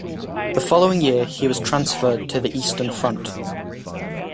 The following year, he was transferred to the Eastern Front.